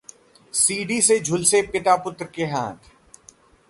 CD से झुलसे पितापुत्र के हाथ